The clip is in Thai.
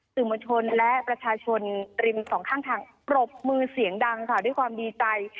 สื่อมวลชนและประชาชนริมสองข้างทางปรบมือเสียงดังค่ะด้วยความดีใจ